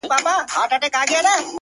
گراني شاعري ستا په خوږ ږغ كي ـ